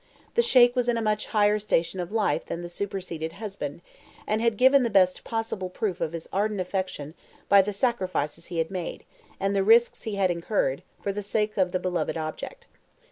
The Sheik was in a much higher station of life than the superseded husband, and had given the best possible proof of his ardent affection by the sacrifices he had made, and the risks he had incurred, for the sake of the beloved object.